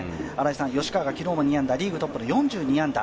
吉川が昨日も２安打、リーグトップの４２安打